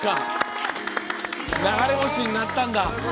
流れ星になったんだ。